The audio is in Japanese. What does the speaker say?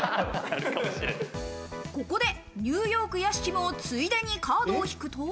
ここでニューヨーク・屋敷もついでにカードを引くと。